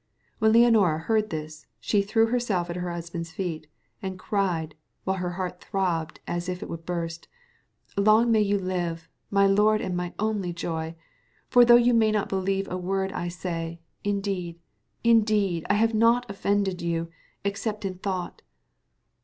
When Leonora heard this, she threw herself at her husband's feet, and cried, while her heart throbbed as if it would burst, "Long may you live, my lord and my only joy; for though you may not believe a word I say, indeed, indeed I have not offended you, except in thought."